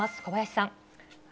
小林さん。